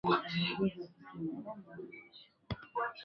Wingi wa mifugo katika eneo moja huchangia maambuki ya utupaji mimba